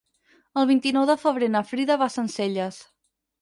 El vint-i-nou de febrer na Frida va a Sencelles.